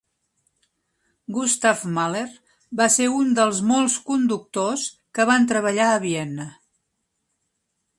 Gustav Mahler va ser un dels molts conductors que van treballar a Vienna.